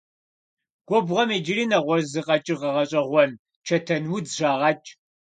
Губгъуэм иджыри нэгъуэщӀ зы къэкӀыгъэ гъэщӀэгъуэн – чэтэнудз - щагъэкӀ.